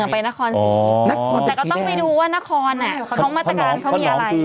แต่ก็ต้องไปดูว่านครเขามาตรการมีอะไร